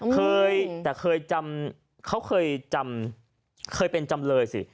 เคยแต่เคยจำเขาเคยจำเคยเป็นจำเลยสิ